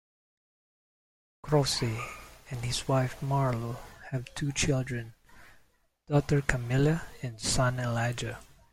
Croce and his wife Marlo have two children, daughter Camille and son Elijah.